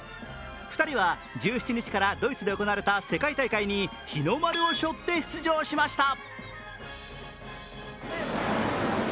２人は１７日からドイツで行われた世界大会に日の丸を背負って出場しました。